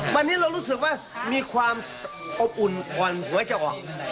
วันนี้เรารู้สึกว่ามีความอบอุ่นก่อนหวยจะออก